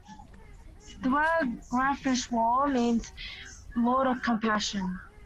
The word "Ghrneshwar" means "lord of compassion".